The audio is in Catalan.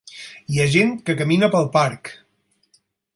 Hi ha gent que camina pel parc.